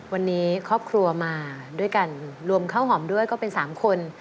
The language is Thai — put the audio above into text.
วันนี้ครอบครัวมาด้วยกันรวมข้าวหอมด้วยก็เป็น๓คน